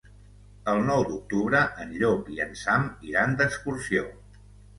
El nou d'octubre en Llop i en Sam iran d'excursió.